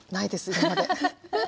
今まで。